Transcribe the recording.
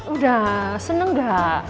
udah seneng gak